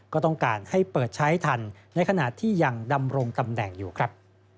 ก็ต้องการให้เปิดใช้ทันในขณะที่ยังดำรงตำแหน่งอยู่ครับ